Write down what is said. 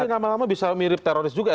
berarti ini lama lama bisa mirip teroris juga